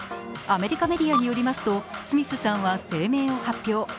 アメリカメディアによりますと、スミスさんは声明を発表。